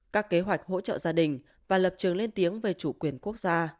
các kế hoạch hỗ trợ gia đình và lập trường lên tiếng về chủ quyền quốc gia